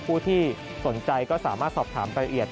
ผู้ที่สนใจก็สามารถสอบถามรายละเอียด